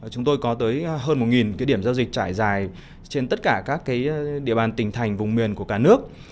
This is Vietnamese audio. chúng tôi có tới hơn một điểm giao dịch trải dài trên tất cả các địa bàn tỉnh thành vùng miền của cả nước